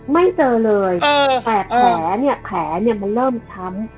ไม่เจอเลยแต่แผลเนี่ยแผลเนี่ยมันเริ่มช้ำ